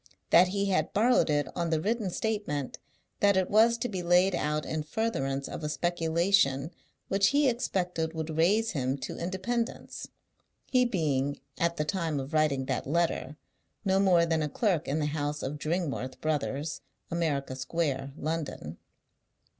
That he had borrowed it on the written statement that it was to be laid out in furtherance of a speculation which he expected would raise him to independence; he being, at the time of writing that letter, no more than a clerk in the house of Dringworth Brothers, America Square, London.